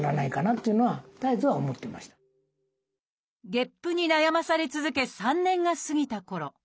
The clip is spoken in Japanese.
ゲップに悩まされ続け３年が過ぎたころ